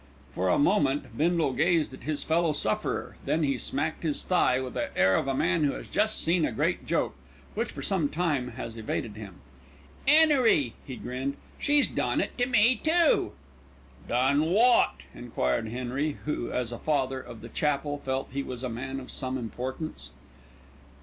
For a moment Bindle gazed at his fellow sufferer, then he smacked his thigh with the air of a man who has just seen a great joke, which for some time has evaded him. "'Enery," he grinned, "she's done it to me too." "Done wot?" enquired Henry, who, as a Father of the Chapel, felt he was a man of some importance.